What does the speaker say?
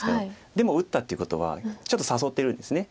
でも打ったっていうことはちょっと誘ってるんです。